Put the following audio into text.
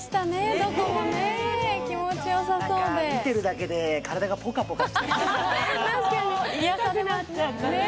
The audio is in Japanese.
どこもね気持ちよさそうで何か見てるだけで体がポカポカして確かに行きたくなっちゃったね